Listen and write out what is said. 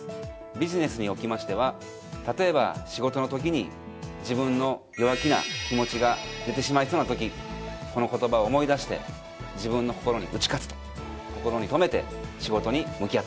ビジネスにおきましては例えば仕事のときに自分の弱気な気持ちが出てしまいそうなときこの言葉を思い出して自分の心に打ち勝つと心に留めて仕事に向き合っています。